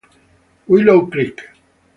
Willow Creek